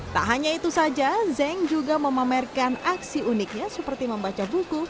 tak hanya itu saja zeng juga memamerkan aksi uniknya seperti membaca buku